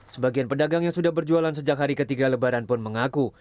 sebagian pedagang yang sudah berjualan sejak hari ketiga lebaran pun mengaku